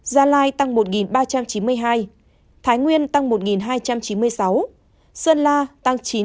gia lai tăng một ba trăm chín mươi hai thái nguyên tăng một hai trăm chín mươi sáu sơn la tăng chín trăm tám mươi bốn